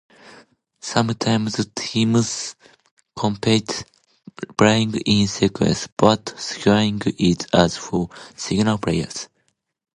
Sometimes teams compete, playing in sequence, but scoring is as for single players.